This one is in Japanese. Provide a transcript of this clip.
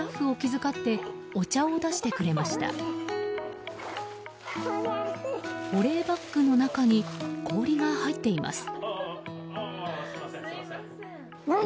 保冷バッグの中に氷が入っています。